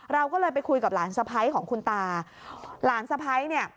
เราก็เลยไปคุยกับหลานสะพ้ายของคุณตาหลานสะพ้ายเนี่ย